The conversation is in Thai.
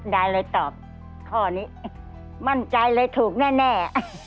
ดายเลยตอบข้อนี้มั่นใจเลยถูกแน่